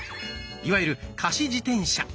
いわゆる貸し自転車。